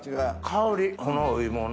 香りこのお芋の。